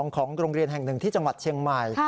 ของโรงเรียนแห่งหนึ่งที่จังหวัดเชียงใหม่